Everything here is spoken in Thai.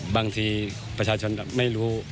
บางทีประชาชนไม่รู้